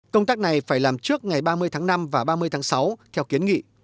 công tác này phải làm trước ngày ba mươi tháng năm và ba mươi tháng sáu theo kiến nghị